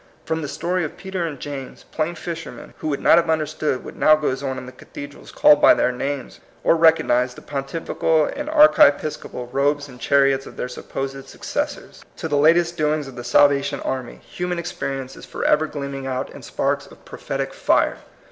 From the story of Peter and James, plain fisher men, who would not have understood what now goes on in the cathedrals called by their names, or recognized the pontifical and archiepiscopal robes and chariots of their supposed successors, to the latest do ings of the Salvation Army, human experi THE IDEAL DEMOCRACY. 145 ence is forever gleaming out in sparks of prophetic fire.